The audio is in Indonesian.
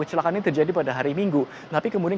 kecelakaannya terjadi pada hari minggu tapi kemudian